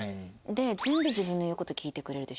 で全部自分の言う事聞いてくれるでしょ。